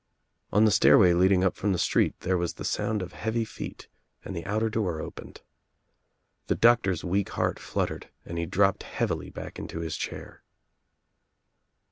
On the stairway leading up from the street there was the sound of heavy feet and the outer door opened. The doctor's weak heart fluttered and he dropped heavily back Into his chair.